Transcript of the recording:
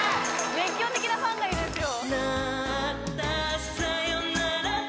熱狂的なファンがいるんですよ